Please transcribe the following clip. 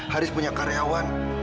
haris punya karyawan